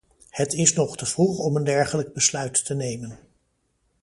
Het is nog te vroeg om een dergelijk besluit te nemen.